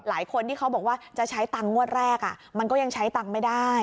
หลายคนที่เขาบอกว่าจะใช้ตังค์งวดแรกมันก็ยังใช้ตังค์ไม่ได้